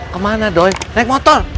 kemana doi naik motor